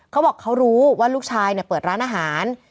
เขาบอกเขารู้ว่าลูกชายเปิดร้านอาหาร